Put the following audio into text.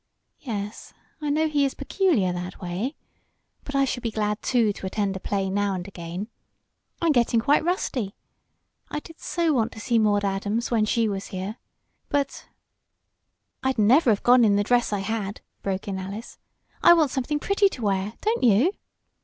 "Yes, I know he is peculiar that way. But I shall be glad, too, to attend a play now and again. I'm getting quite rusty. I did so want to see Maude Adams when she was here. But " "I'd never have gone in the dress I had!" broke in Alice. "I want something pretty to wear; don't you?"